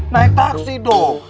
naik taksi dong